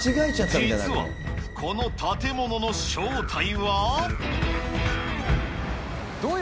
実は、この建物の正体は。